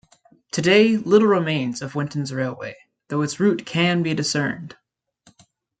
Today, little remains of Winton's railway, though its route can be discerned.